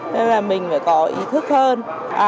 nên là mình phải có ý thức hơn